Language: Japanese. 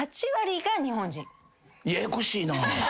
ややこしいな。